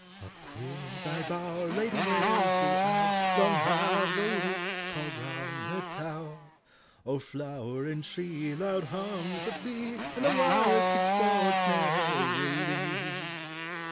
Up! quit thy bower! late wears the hour. Long have the rooks cawed round the tower; O'er flower and tree loud hums the !><'<'• Ami the wild kid sports merrily.